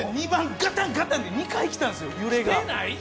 ガタン！って２回きたんですよ、揺れが。